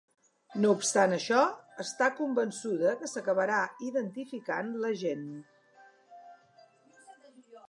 No obstant això, està convençuda que s’acabarà identificant l’agent.